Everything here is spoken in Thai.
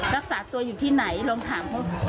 รักษาตัวอยู่ที่ไหนลองถามเขา